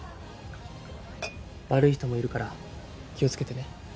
悪い人もいるから気をつけてね。